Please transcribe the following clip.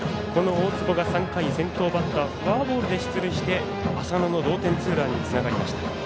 大坪が３回、先頭バッターフォアボールで出塁して浅野の同点ツーランにつながりました。